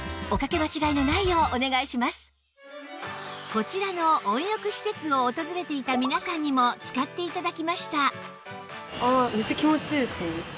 こちらの温浴施設を訪れていた皆さんにも使って頂きました